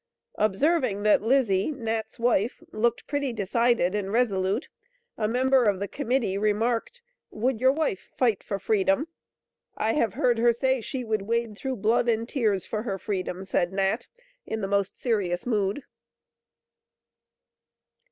Observing that Lizzie (Nat's wife) looked pretty decided and resolute, a member of the committee remarked, "Would your wife fight for freedom?" "I have heard her say she would wade through blood and tears for her freedom," said Nat, in the most serious mood.